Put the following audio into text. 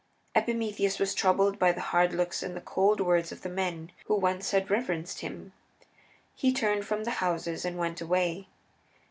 Epimetheus was troubled by the hard looks and the cold words of the men who once had reverenced him. He turned from the houses and went away.